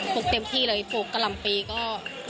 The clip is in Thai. ลูกเต็มที่เลยปลูกกะหล่ำปีก็